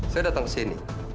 saya datang kesini